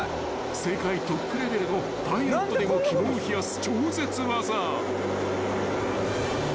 ［世界トップレベルのパイロットでも肝を冷やす超絶技］